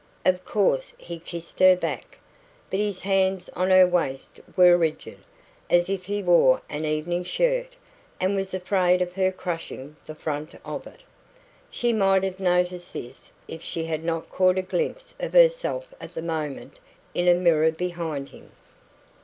Of course he kissed her back, but his hands on her waist were rigid, as if he wore an evening shirt, and was afraid of her crushing the front of it. She might have noticed this if she had not caught a glimpse of herself at the moment in a mirror behind him.